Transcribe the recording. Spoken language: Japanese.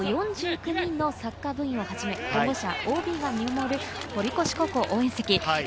４９人のサッカー部員をはじめ、ＯＢが見守る堀越応援席。